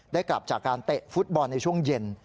กลับจากการเตะฟุตบอลในช่วงเย็น